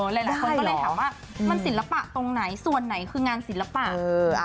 หลายคนก็เลยถามว่ามันศิลปะตรงไหนส่วนไหนคืองานศิลปะ